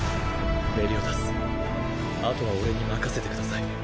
メリオダスあとは俺に任せてください。